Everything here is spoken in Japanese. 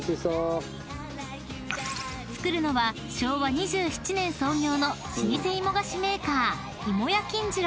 ［作るのは昭和２７年創業の老舗芋菓子メーカー］